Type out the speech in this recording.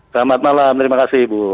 selamat malam terima kasih ibu